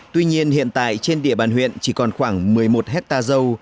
tuy nhiên hiện tại trên địa bàn huyện chỉ còn khoảng một mươi một hectare dâu